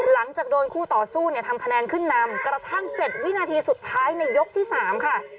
หลังจากโดนคู่ต่อสู้เนี่ยทำคะแนนขึ้นนำกระทั่ง๗วินาทีสุดท้ายในยกที่๓ค่ะ